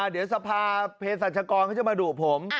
เดี๋ยวสภาเพศรัชกรเขาจะมาดุผม